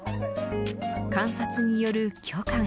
観察による共感。